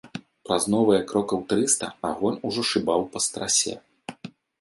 Праз новыя крокаў трыста агонь ужо шыбаў па страсе.